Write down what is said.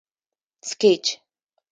سکیچ